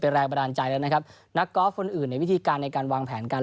แรงบันดาลใจแล้วนะครับนักกอล์ฟคนอื่นในวิธีการในการวางแผนการ